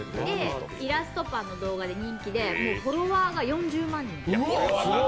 イラストパンの動画で人気でフォロワーが４０万人。